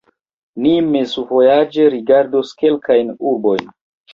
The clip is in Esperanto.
Ni mezvojaĝe rigardos kelkajn urbojn.